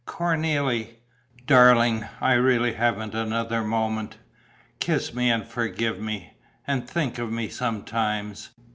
"Cornélie...." "Darling, I really haven't another moment. Kiss me and forgive me. And think of me sometimes.